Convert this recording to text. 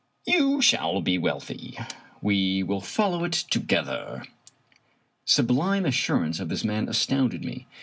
" You shall be wealthy. We will follow it together! " The sublime assurance of this man astounded me.